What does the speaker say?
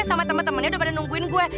sama temen temennya udah pada nungguin gue